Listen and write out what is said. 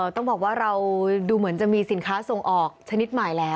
ต้องบอกว่าเราดูเหมือนจะมีสินค้าส่งออกชนิดใหม่แล้ว